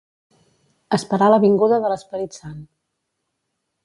Esperar la vinguda de l'Esperit Sant.